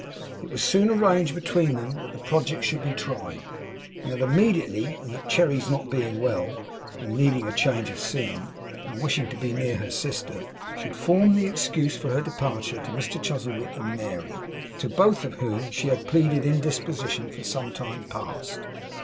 It was soon arranged between them that the project should be tried, and that immediately; and that Cherry's not being well, and needing change of scene, and wishing to be near her sister, should form the excuse for her departure to Mr Chuzzlewit and Mary, to both of whom she had pleaded indisposition for some time past.